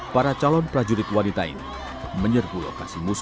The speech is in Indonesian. para calon prajurit wanita ini menyerbu lokasi musuh